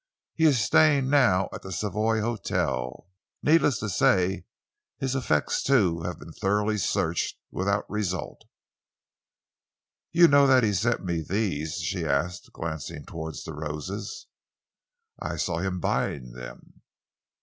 He is staying now at the Savoy Hotel. Needless to say, his effects too have been thoroughly searched, without result." "You know that he sent me these?" she asked, glancing towards the roses. "I saw him buying them."